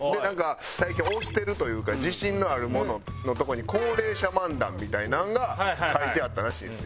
最近推してるというか自信のあるもののとこに高齢者漫談みたいなんが書いてあったらしいんですよ。